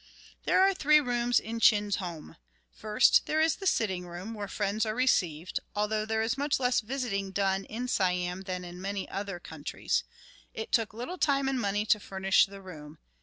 There are three rooms in Chin's home. First, there is the sitting room, where friends are received, although there is much less visiting done in Siam than in many other countries. It took little time and money to furnish the room.